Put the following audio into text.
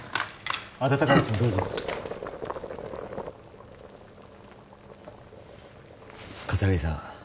温かいうちにどうぞ葛城さん